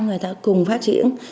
người ta cùng phát triển